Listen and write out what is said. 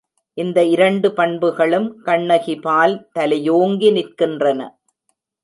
இந்த இரண்டு பண்புகளும் கண்ணகிபால் தலையோங்கி நிற்கின்றன.